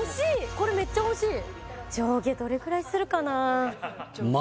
これめっちゃ欲しい上下どれくらいするかな？